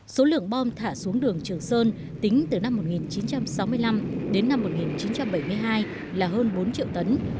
số lượng bom thả xuống đường trường sơn tính từ năm một nghìn chín trăm sáu mươi năm đến năm một nghìn chín trăm bảy mươi hai là hơn bốn triệu tấn